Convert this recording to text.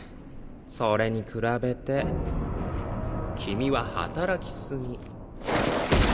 それに比べて君は働き過ぎ。